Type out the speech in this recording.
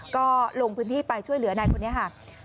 ก็ลงพื้นที่ไปช่วยเหลือนายคนนี้ค่ะ